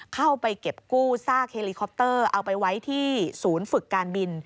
เข้าไปเก็บกู้ซากเฮลิคอปเตอร์เอาไปไว้ที่ศูนย์ฝึกการบิน